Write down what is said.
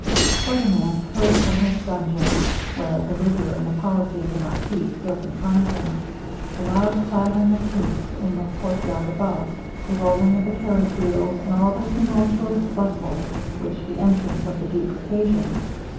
Ferdinand heard from his dungeon, where the rigour and the policy of the marquis still confined him, the loud clattering of hoofs in the courtyard above, the rolling of the carriage wheels, and all the tumultuous bustle which the entrance of the duke occasioned.